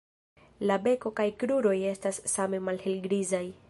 La beko kaj kruroj estas same malhelgrizaj.